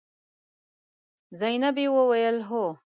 زينبې وويل: هو.